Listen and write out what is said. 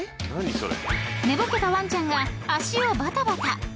［寝ぼけたワンちゃんが足をばたばた］